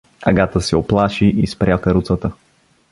Агата се уплаши и спря каруцата.